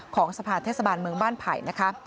ของสภาเทศบาลเมืองบ้านไผ่นะคะ